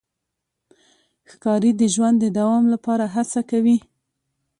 ښکاري د ژوند د دوام لپاره هڅه کوي.